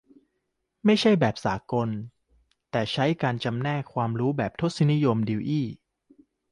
ไม่ใช่แบบสากล แต่ใช้การจำแนกความรู้แบบทศนิยมดิวอี้ ?